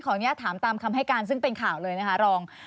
อนุญาตถามตามคำให้การซึ่งเป็นข่าวเลยนะคะรอง